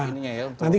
untuk ininya ya